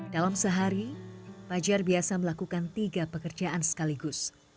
dalam sehari fajar biasa melakukan tiga pekerjaan sekaligus